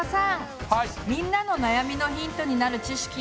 みんなの悩みのヒントになる知識何かありますか？